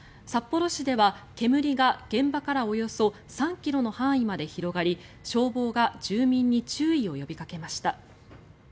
札幌市では、煙が現場からおよそ３ｋｍの範囲まで広がり消防が住民に注意を呼びかけました。